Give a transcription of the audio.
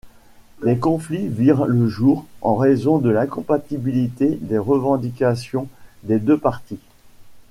Les conflits virent le jour en raison de l'incompatibilité des revendications des deux partis.